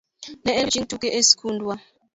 Ne en odiochieng' tuke e skundwa.